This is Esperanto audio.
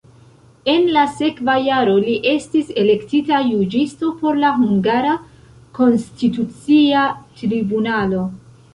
En la sekva jaro li estis elektita juĝisto por la hungara konstitucia tribunalo.